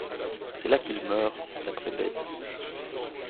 C'est là qu'il meurt, d'après Bède.